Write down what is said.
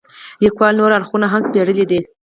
لیکوال نور اړخونه هم سپړلي دي.